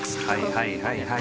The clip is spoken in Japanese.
はいはいはい。